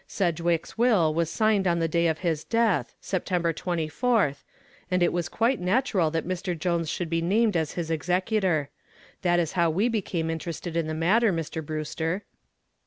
Sedgwick's will was signed on the day of his death, September 24th, and it was quite natural that Mr. Jones should be named as his executor. That is how we became interested in the matter, Mr. Brewster."